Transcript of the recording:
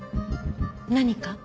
何か？